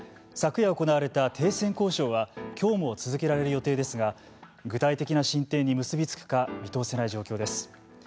昨夜行われた停戦交渉はきょうも続けられる予定ですが具体的な進展に結び付くか見通せない状況です。